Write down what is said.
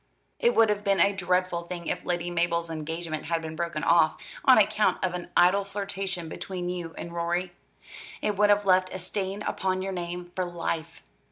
It would have been a dreadful thing if Lady Mabel's engagement had been broken off on account of an idle flirtation between you and Rorie. It would have left a stain upon your name for life.